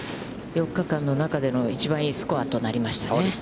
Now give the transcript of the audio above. ４日間の中での、一番いいスコアとなりましたね。